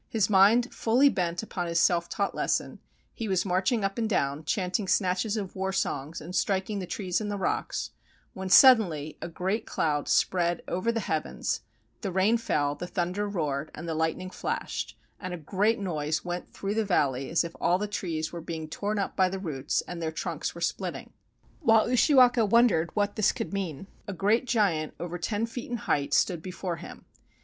His mind fully bent upon his self taught lesson, he was marching up and down, chanting snatches of war songs and striking the trees and the rocks, when suddenly a great cloud spread over the heavens, the rain fell, the thunder roared, and the lightning flashed, and a great noise went through the valley, as if all the trees were being torn up by the roots and their trunks were spHtting. While Ushiwaka wondered what this could mean, a great giant over ten feet in height stood before him.